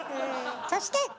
そしてえ？